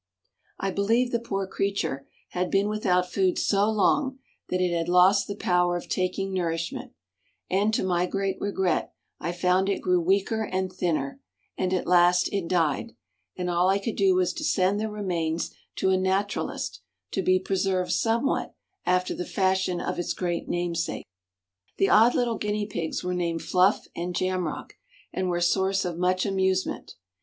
I believe the poor creature had been without food so long that it had lost the power of taking nourishment, and to my great regret I found it grew weaker and thinner, and at last it died, and all I could do was to send the remains to a naturalist to be preserved somewhat after the fashion of its great namesake. The odd little guinea pigs were named Fluff and Jamrach, and were a source of much amusement.